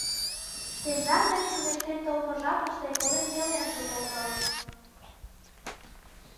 Тендан дек чоҥештен толмо жапыште колен веле ынже колто.